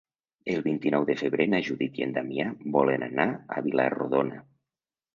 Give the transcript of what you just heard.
El vint-i-nou de febrer na Judit i en Damià volen anar a Vila-rodona.